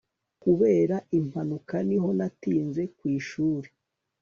kubera impanuka niho natinze ku ishuri